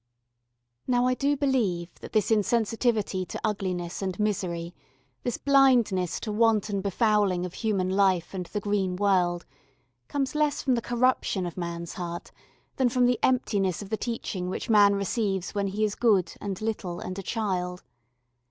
] Now I do believe that this insensitiveness to ugliness and misery, this blindness to wanton befouling of human life and the green world, comes less from the corruption of man's heart than from the emptiness of the teaching which man receives when he is good and little and a child.